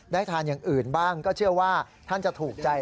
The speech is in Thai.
ทานอย่างอื่นบ้างก็เชื่อว่าท่านจะถูกใจ